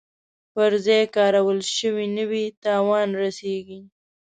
پر ځای کارول شوي نه وي تاوان رسیږي.